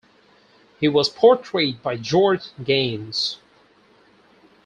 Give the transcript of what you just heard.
He was portrayed by George Gaynes.